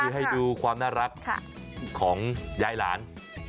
คือให้ดูความน่ารักของยายหลาน